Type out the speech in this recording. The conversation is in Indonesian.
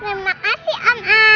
terima kasih om al